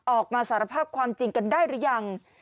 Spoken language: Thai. ออกมาสารภาพความจริงกันได้หรือยัง